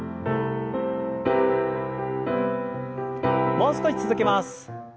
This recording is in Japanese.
もう少し続けます。